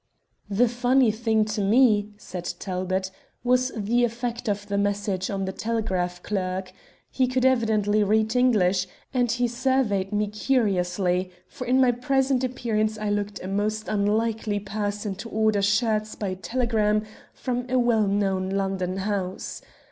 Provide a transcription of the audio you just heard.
"The funny thing to me," said Talbot, "was the effect of the message on the telegraph clerk. He could evidently read English, and he surveyed me curiously, for in my present appearance I looked a most unlikely person to order shirts by telegram from a well known London house.